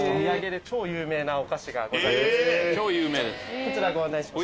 こちらご案内します。